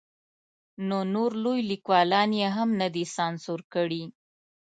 نو نور لوی لیکوالان یې هم نه دي سانسور کړي.